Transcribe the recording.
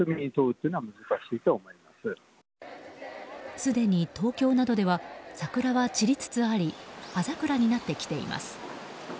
すでに東京などでは桜は散りつつあり葉桜になってきています。